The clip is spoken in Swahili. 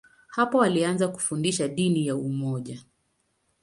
Hapo alianza kufundisha dini ya umoja.